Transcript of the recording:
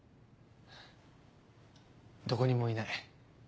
どこにもいない。